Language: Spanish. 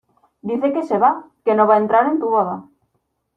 dice que se va, que no va a entrar en tu boda.